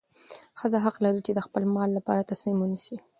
ښځه حق لري چې د خپل مال لپاره تصمیم ونیسي.